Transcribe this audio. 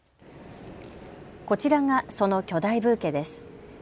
こちらがその巨大ブーケです。